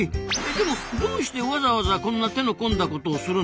でもどうしてわざわざこんな手の込んだことをするんですか？